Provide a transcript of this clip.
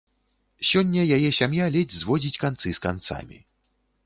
Сёння яе сям'я ледзь зводзіць канцы з канцамі.